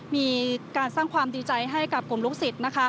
มีการสร้างความดีใจให้กับกลุ่มลูกศิษย์